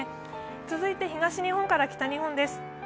続いて東日本から北日本です。